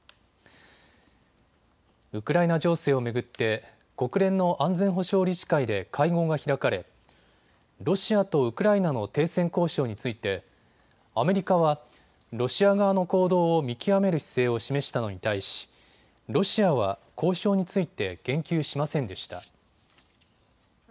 ウクライナ情勢を巡って国連の安全保障理事会で会合が開かれロシアとウクライナの停戦交渉についてアメリカはロシア側の行動を見極める姿勢を示したのに対しロシアは交渉について言及しませんでした。